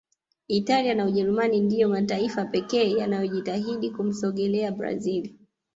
italia na Ujerumani ndiyo mataifa pekee yanayojitahidi kumsogelea brazil